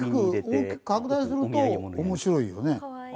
大きく拡大すると面白いよね。